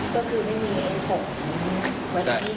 ก็คือไม่มีเอ็นโฟนวัสดีกันแหละ